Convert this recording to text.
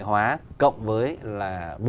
hóa cộng với là mua